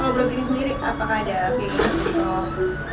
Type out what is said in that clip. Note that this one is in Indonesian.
ada penginginan atau